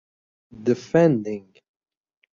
Defending.